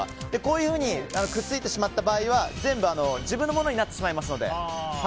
くっついてしまった場合は全部自分のものになってしまいますので。